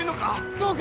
どうか！